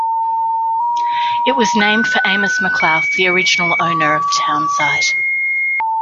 It was named for Amos McLouth, the original owner of the town site.